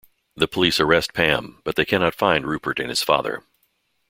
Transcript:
The police arrest Pam, but they cannot find Rupert and his father.